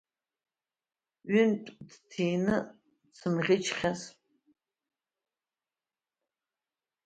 Ҩынтә дҭины дсымӷьычхьаз…